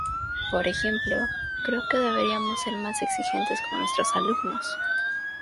Por ejemplo: “Creo que deberíamos ser más exigentes con nuestros alumnos.